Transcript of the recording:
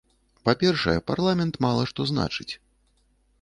Па-першае, парламент мала што значыць.